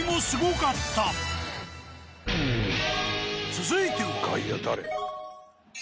続いては。